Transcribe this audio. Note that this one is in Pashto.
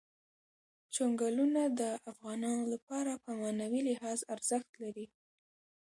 چنګلونه د افغانانو لپاره په معنوي لحاظ ارزښت لري.